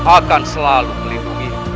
akan selalu melindungi